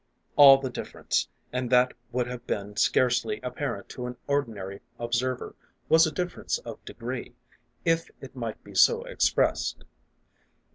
All the difference, and that would have been scarcely ap parent to an ordinary observer, was a difference of degree, if it might be so expressed.